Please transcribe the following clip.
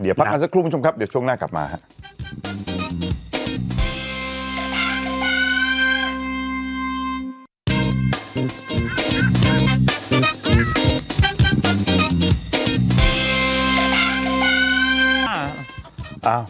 เดี๋ยวพักกันสักครู่คุณผู้ชมครับเดี๋ยวช่วงหน้ากลับมาครับ